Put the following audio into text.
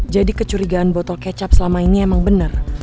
jadi kecurigaan botol kecap selama ini emang bener